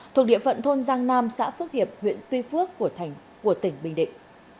thuộc địa phận thôn giang nam xã phước hiệp huyện tuy phước của tỉnh bình định